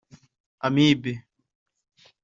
amibe